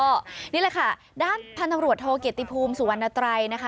ก็นี่แหละค่ะด้านพันธบรวจโทเกียรติภูมิสุวรรณไตรนะคะ